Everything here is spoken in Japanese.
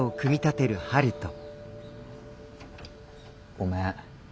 ごめん。